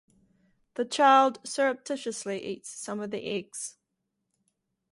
The Child surreptitiously eats some of the eggs.